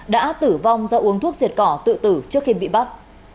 đã tử vong do uống thuốc diệt cỏ tự tử trước khi bị bắt